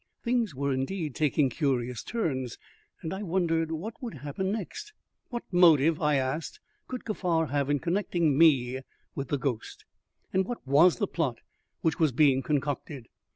Things were indeed taking curious turns, and I wondered what would happen next. What motive, I asked, could Kaffar have in connecting me with the ghost, and what was the plot which was being concocted?